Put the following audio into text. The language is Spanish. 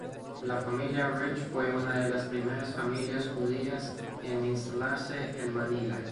La familia Rich fue una de las primeras familias judías en instalarse en Manila.